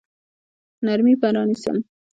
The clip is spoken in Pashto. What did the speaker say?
نرمي به رانیسم.